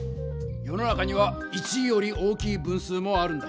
世の中には１より大きい分数もあるんだ。